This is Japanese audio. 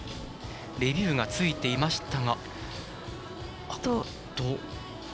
レビューがついていましたが。